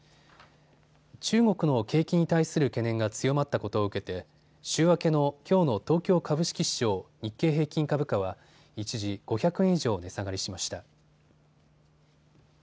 中国の景気に対する懸念が強まったことを受けて週明けのきょうの東京株式市場日経平均株価は一時５００円以上値下がりしました。